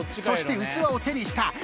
そして器を手にした。